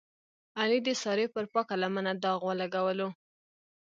علي د سارې پر پاکه لمنه داغ ولګولو.